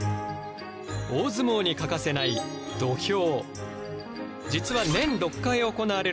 大相撲に欠かせない土俵。